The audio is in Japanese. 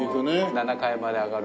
７階まで上がる。